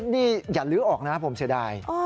นี่อย่าลื้อออกนะผมเสียดาย